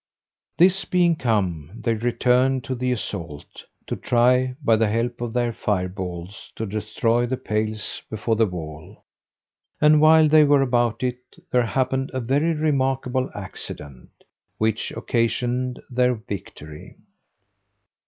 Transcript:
This being come, they returned to the assault, to try, by the help of their fire balls, to destroy the pales before the wall; and while they were about it, there happened a very remarkable accident, which occasioned their victory.